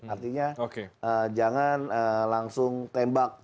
artinya jangan langsung tembak